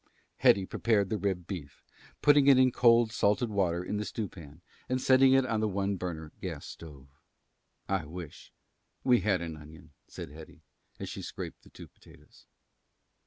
Hetty prepared the rib beef, putting it in cold salted water in the stew pan and setting it on the one burner gas stove. "I wish we had an onion," said Hetty, as she scraped the two potatoes.